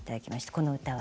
この歌は。